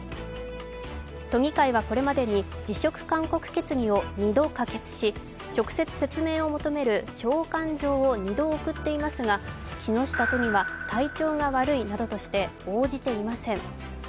都議会はこれまでに辞職勧告決議を２度可決し、直接説明を求める召喚状を２度送っていますが木下都議は体調が悪いなどとして応じていません。